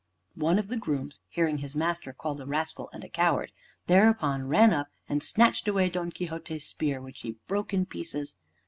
One of the grooms, hearing his master called a rascal and a coward, thereupon ran up and snatched away Don Quixote's spear, which he broke in pieces.